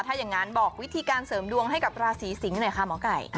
ถ้าอย่างนั้นบอกวิธีการเสริมดวงให้กับราศีสิงศ์หน่อยค่ะหมอไก่